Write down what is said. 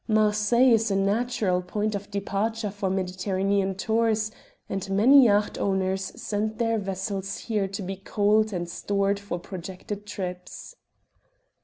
Marseilles is a natural point of departure for Mediterranean tours, and many yacht owners send their vessels there to be coaled and stored for projected trips.